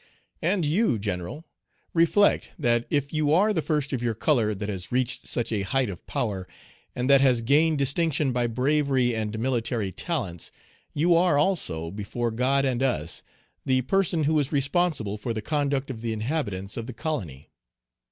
"And you, General, reflect, that if you are the first of your color that has reached such a height of power, and that has gained distinction by bravery and military talents, you are, also, before God and us, the person who is responsible for the conduct of the inhabitants of the colony.